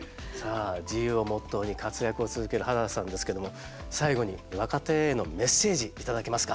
自由をモットーに活躍を続ける原田さんですけども最後に若手へのメッセージ頂けますか。